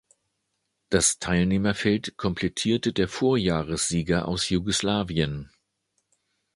Das Teilnehmerfeld komplettierte der Vorjahressieger aus Jugoslawien.